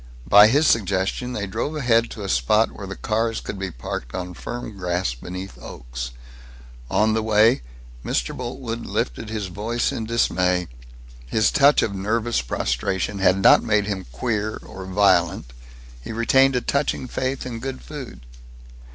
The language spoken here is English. By his suggestion they drove ahead to a spot where the cars could be parked on firm grass beneath oaks. On the way, Mr. Boltwood lifted his voice in dismay. His touch of nervous prostration had not made him queer or violent; he retained a touching faith in good food.